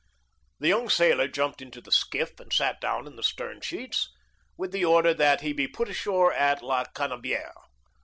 The young sailor jumped into the skiff, and sat down in the stern sheets, with the order that he be put ashore at La Canebière.